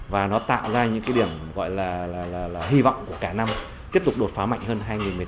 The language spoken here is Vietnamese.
và nó tạo ra những cái điểm gọi là hy vọng của cả năm tiếp tục đột phá mạnh hơn hai nghìn một mươi tám